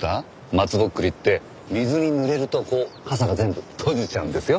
松ぼっくりって水に濡れるとこう笠が全部閉じちゃうんですよ。